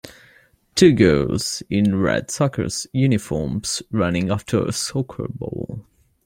Two girls in red soccer uniforms running after a soccer ball.